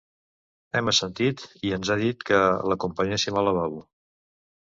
Hem assentit i ens ha dit que l'acompanyéssim al lavabo.